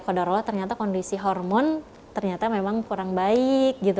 kodarullah ternyata kondisi hormon ternyata memang kurang baik gitu